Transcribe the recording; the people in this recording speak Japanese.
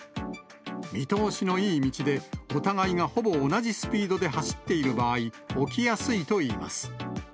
見通しのいい道で、お互いがほぼ同じスピードで走っている場合、起きやすいといいます。